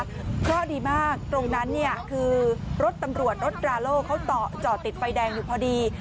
เพราะดีมากตรงนั้นเนี่ยคือรถตำรวจรถดราโล่เขาจอดติดไฟแดงอยู่พอดี